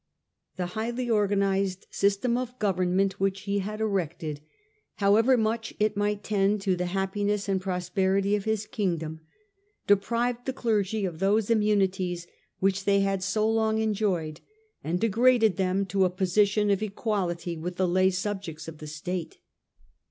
1 The highly organised system of Govern ment which he had erected, however much it might tend to the happiness and prosperity of his Kingdom, deprived the clergy of those immunities which they had so long enjoyed and degraded them to a position of equality with the lay subjects of the State.